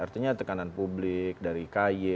artinya tekanan publik dari k y